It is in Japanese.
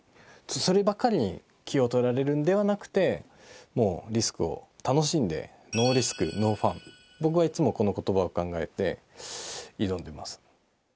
そればかりに気を取られるんではなくてもうリスクを楽しんで僕はいつもこの言葉を考えて挑んでます。